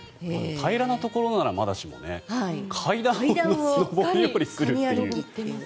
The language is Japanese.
平らなところならまだしも階段を上り下りするっていう。